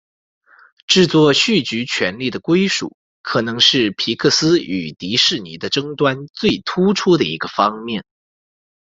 制作续集权利的归属可能是皮克斯与迪士尼的争端最突出的一个方面。